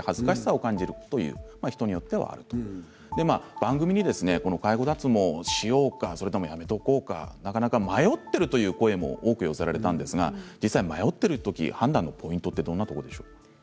番組に、介護脱毛をしようかそれともやめておこうかなかなか迷っているという声も多く寄せられたんですが迷っているとき判断のポイントはどんなところでしょう。